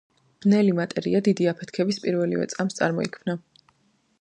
ბნელი მატერია დიდი აფეთქების პირველივე წამს წარმოიქმნა.